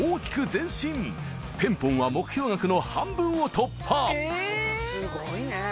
前進ペンポンは目標額の半分を突破えぇ！